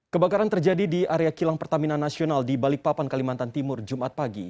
kebakaran terjadi di area kilang pertamina nasional di balikpapan kalimantan timur jumat pagi